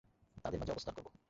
তাদের মাঝে অবস্থান করব।